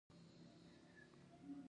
ایا ستاسو اړیکې به ټینګې وي؟